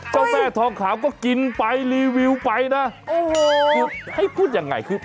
เจ้าแม่ทองขาวก็กินไปรีวิวไปนะโอ้โหคือให้พูดยังไงคือ